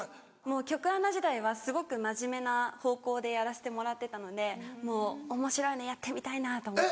局アナ時代はすごく真面目な方向でやらせてもらってたのでもうおもしろいのやってみたいなと思って。